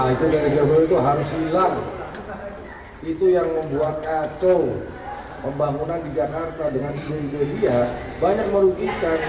itu yang membuat kacau pembangunan di jakarta dengan ide ide dia banyak merugikan